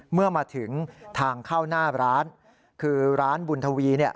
เมื่อมาถึงทางเข้าหน้าร้านคือร้านบุญทวีเนี่ย